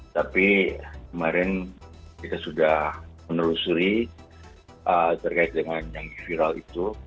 tapi kemarin kita sudah menelusuri terkait dengan yang viral itu